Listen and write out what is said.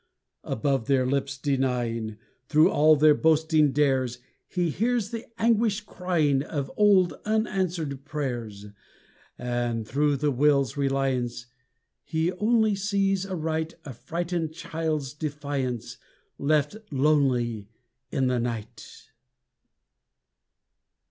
Above their lips denying, Through all their boasting dares, He hears the anguished crying Of old unanswered prayers. And through the will's reliance He only sees aright A frightened child's defiance Left lonely in the night.